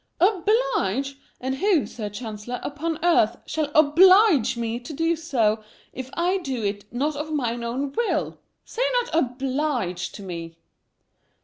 "Oblige! and who, Sir Chancellor, upon earth shall OBLIGE me to do so, if I do it not of mine own will? Say not OBLIGE to me."